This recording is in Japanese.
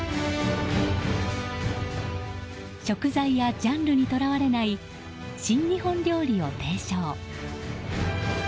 食材やジャンルにとらわれない新日本料理を提唱。